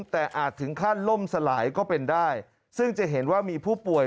แต่อาจถึงขั้นล่มสลายก็เป็นได้ซึ่งจะเห็นว่ามีผู้ป่วย